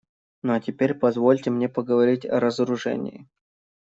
Ну а теперь позвольте мне поговорить о разоружении.